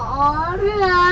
tau gitu lah